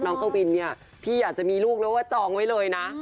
กวินเนี่ยพี่อยากจะมีลูกแล้วว่าจองไว้เลยนะ